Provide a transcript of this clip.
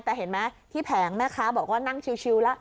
แต่เห็นไหมที่แผงนะคะบอกว่านั่งชิวละ